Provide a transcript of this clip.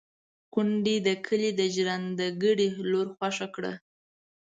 کونډې د کلي د ژرنده ګړي لور خوښه کړه.